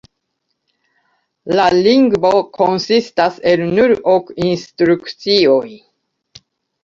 La lingvo konsistas el nur ok instrukcioj.